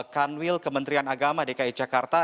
kanwil kementerian agama dki jakarta